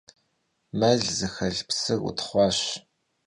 Mêl zıxelh psır vutxhuaş.